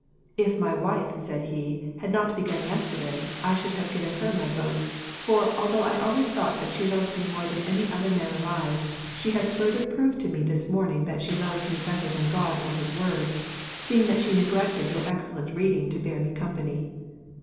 "If my wife," said he, "had not begun yesterday, I should have given her my vote, for although I always thought that she loved me more than any man alive, she has further proved to me this morning that she loves me better than God or His Word, seeing that she neglected your excellent reading to bear me company.